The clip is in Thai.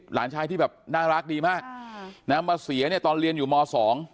หลานชายที่แบบน่ารักดีมากนะมาเสียเนี่ยตอนเรียนอยู่มสอง